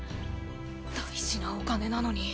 大事なお金なのに。